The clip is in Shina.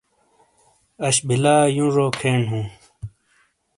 اش بلا یوں جو کھین ہوں ۔